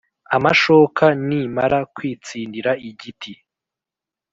amashoka nimara kwitsindira igiti”